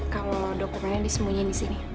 kalau dokumennya disembunyiin di sini